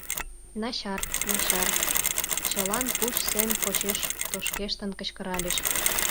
— Начар, начар, — чылан пуч сем почеш тошкештын кычкыральыч.